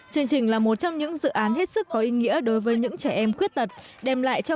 chương trình là một trong những dự án hết sức có ý nghĩa đối với những trẻ em khuyết tật đem lại cho